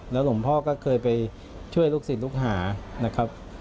หลวงพ่อก็เคยไปช่วยลูกศิษย์ลูกหานะครับ